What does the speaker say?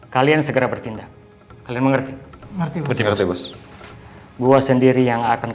kalian tetap tunggu disini